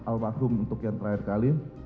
al masrum untuk yang terakhir kali